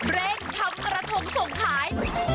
เร่งทำกระทงส่งขาย